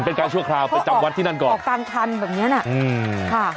เป็นการชั่วคราวไปจับวัดที่นั่นก่อนออกกลางทันแบบนี้น่ะค่ะ